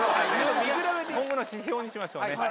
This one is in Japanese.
見比べて今後の指標にしましょうね。